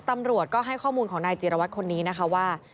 ตำรวจก็ให้ข้อมูลของนายจิรวัตรคนนี้นะคะว่า